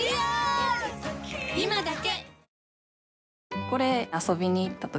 今だけ！